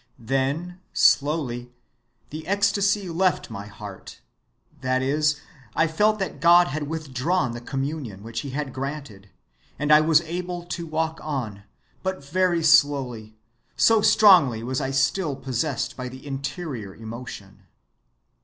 Then, slowly, the ecstasy left my heart; that is, I felt that God had withdrawn the communion which he had granted, and I was able to walk on, but very slowly, so strongly was I still possessed by the interior emotion.